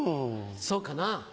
そうかなぁ。